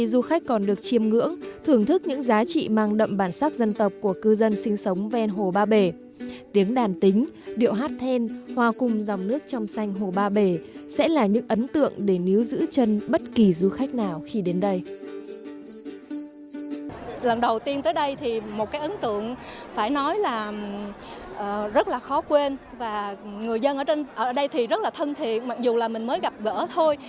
lần đầu tiên tới đây thì một cái ấn tượng phải nói là rất là khó quên và người dân ở đây thì rất là thân thiện mặc dù là mình mới gặp gỡ thôi